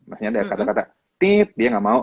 maksudnya ada kata kata tit dia nggak mau